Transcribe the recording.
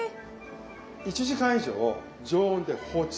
１時間以上常温で放置する。